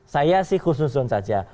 saya sih khusus saja